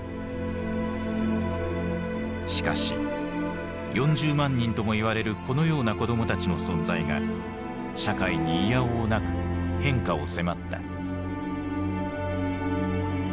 しかし４０万人ともいわれるこのような子どもたちの存在が社会にいやおうなく変化を迫った。